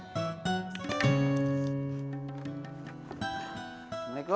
kalau masalah itu